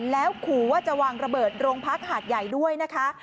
แล้วขู่ว่าจะวางระเบิดโรงพักหาดใหญ่ด้วยนะคะ